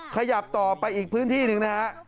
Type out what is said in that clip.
ขยับต่อไปอีกพื้นที่หนึ่งนะฮะ